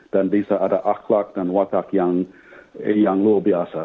dan bisa ada akhlak dan watak yang luar biasa